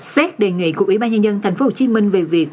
xét đề nghị của ủy ban nhân dân tp hcm về việc